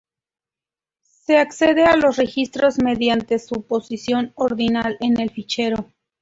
Se accede a los registros mediante su posición ordinal en el fichero.